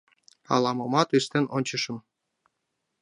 — Ала-момат ыштен ончышым...